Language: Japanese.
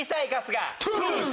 トゥース。